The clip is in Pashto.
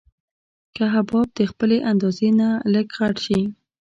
که حباب د خپلې اندازې نه لږ غټ شي.